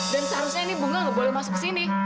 dan seharusnya ini bunga nggak boleh masuk ke sini